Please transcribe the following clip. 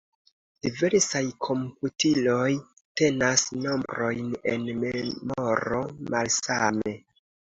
Diversaj komputiloj tenas nombrojn en memoro malsame.